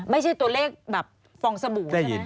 ไม่ใช่ตัวเลขแบบฟองสบู่ใช่ไหม